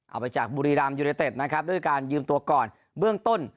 เอาไปจากบุรีรัมยูเนเต็ดนะครับด้วยการยืมตัวก่อนเบื้องต้น